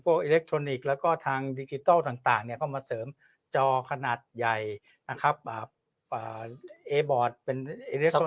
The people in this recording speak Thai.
อิเล็กทรอนิกส์แล้วก็ทางดิจิทัลต่างเนี่ยก็มาเสริมจอขนาดใหญ่นะครับเอบอร์ดเป็นอิเล็กทรอ